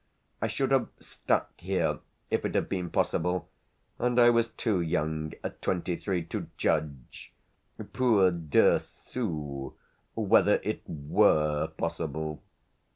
I should have stuck here if it had been possible; and I was too young, at twenty three, to judge, pour deux sous, whether it were possible.